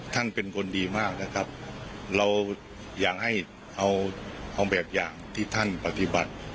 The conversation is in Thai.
ท่านเป็นคนดีมากนะครับเราอยากให้เอาเอาแบบอย่างที่ท่านปฏิบัติ